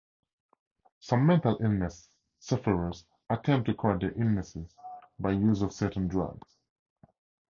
Some mental illness sufferers attempt to correct their illnesses by use of certain drugs.